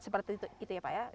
seperti itu ya pak ya